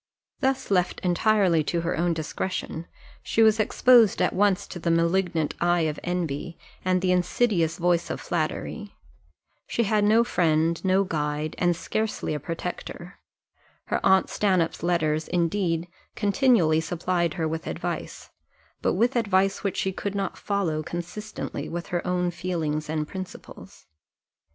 Thus left entirely to her own discretion, she was exposed at once to the malignant eye of envy, and the insidious voice of flattery she had no friend, no guide, and scarcely a protector: her aunt Stanhope's letters, indeed, continually supplied her with advice, but with advice which she could not follow consistently with her own feelings and principles.